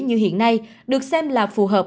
như hiện nay được xem là phù hợp